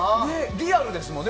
リアルですもんね。